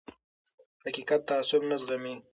حقیقت تعصب نه زغمي